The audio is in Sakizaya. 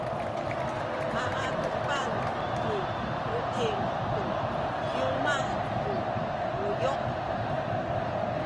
a adupan ni Buting tu kiwmah ku buyu’.